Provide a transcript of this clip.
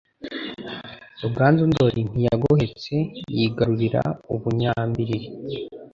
Ruganzu Ndoli ntiyagohetse yigarurira u Bunyambilili